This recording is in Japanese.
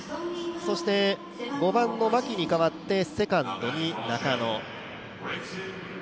そして、５番の牧に代わってセカンドに中野。